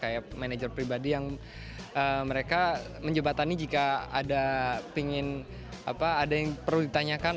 kayak manager pribadi yang mereka menjebatani jika ada yang perlu ditanyakan